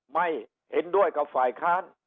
ไม่เห็นด้วยกับฝ่ายค้าน